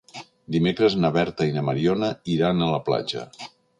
Dimecres na Berta i na Mariona iran a la platja.